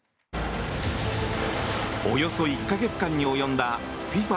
およそ１か月間に及んだＦＩＦＡ